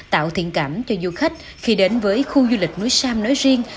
tạo thiện cảm cho du khách khi đến với khu du lịch núi sam nói riêng